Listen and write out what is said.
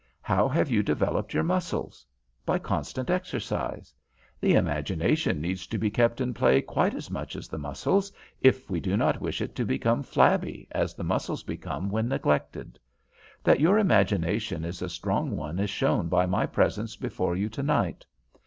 How have you developed your muscles? By constant exercise. The imagination needs to be kept in play quite as much as the muscles, if we do not wish it to become flabby as the muscles become when neglected. That your imagination is a strong one is shown by my presence before you to night.